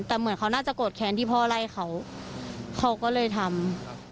แต่เหมือนเขาน่าจะโกรธแค้นที่พ่อไล่เขาเขาก็เลยทำ